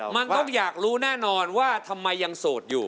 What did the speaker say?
มันต้องอยากรู้แน่นอนว่าทำไมยังโสดอยู่